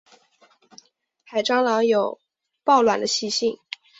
海蟑螂有抱卵的习性。